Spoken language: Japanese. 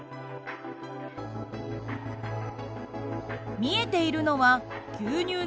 見えているのは牛乳の脂肪の粒。